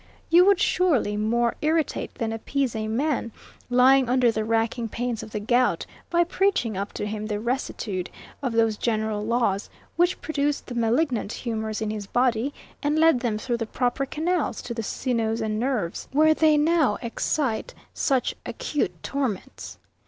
You would surely more irritate than appease a man lying under the racking pains of the gout by preaching up to him the rectitude of those general laws, which produced the malignant humours in his body, and led them through the proper canals, to the sinews and nerves, where they now excite such acute torments.